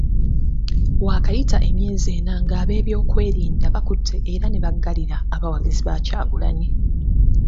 Waakayita emyezi ena ng'ab'ebyokwerinda bakutte era ne baggalira abawagizi ba Kyagulanyi.